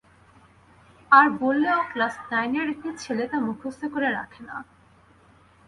আর বললেও ক্লাস নাইনের একটি ছেলে তা মুখস্থ করে রাখে না।